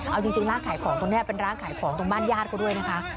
เอาจริงร้านขายของตรงนี้เป็นร้านขายของตรงบ้านญาติเขาด้วยนะคะ